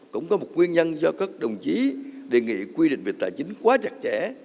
cũng có một nguyên nhân do các đồng chí đề nghị quy định về tài chính quá chặt chẽ